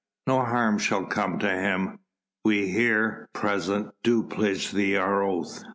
No harm shall come to him. We here present do pledge thee our oath."